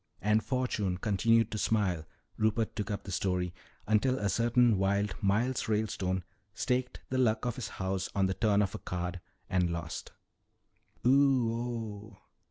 "'And fortune continued to smile,'" Rupert took up the story, "'until a certain wild Miles Ralestone staked the Luck of his house on the turn of a card and lost.'" "O o oh!"